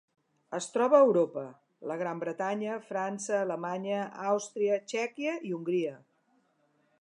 Es troba a Europa: la Gran Bretanya, França, Alemanya, Àustria, Txèquia i Hongria.